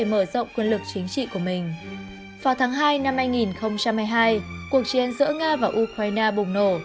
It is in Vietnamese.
mở rộng quân lực chính trị của mình vào tháng hai năm hai nghìn một mươi hai cuộc chiến giữa nga và ukraine bùng nổ